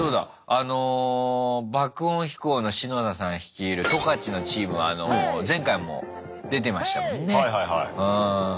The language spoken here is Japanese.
あの爆音飛行のしのださん率いる十勝のチームは前回も出てましたもんね。